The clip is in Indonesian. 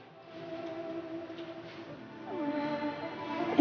jatuh dari panggung begitu